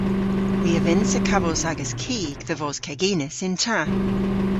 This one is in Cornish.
Hwi a vynnsa kavos agas kig dhe vos keginys yn ta.